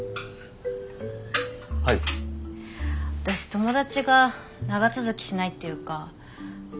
私友達が長続きしないっていうか。